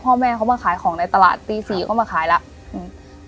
พ่อแม่เขามาขายของในตลาดตีสี่เขามาขายแล้วอืม